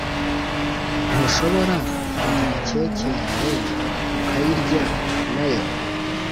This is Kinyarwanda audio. ntushobora kugira cake yawe ukayirya nayo